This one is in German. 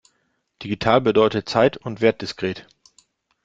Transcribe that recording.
Digital bedeutet zeit- und wertdiskret.